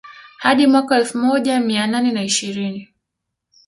Hadi mwaka wa elfu moja mia nane na ishirini